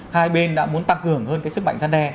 hai bên đã muốn tăng cường hơn cái sức mạnh gian đe